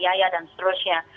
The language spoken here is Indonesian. biaya dan seterusnya